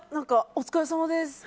お疲れさまです。